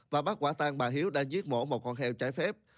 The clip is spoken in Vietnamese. và bắt quả tang bà hiếu đã giết mổ một con heo trái phép